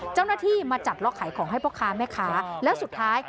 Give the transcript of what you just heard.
เจ้าหน้าที่มาจัดล็อกขายของให้พ่อค้าแม่ค้าแล้วสุดท้าย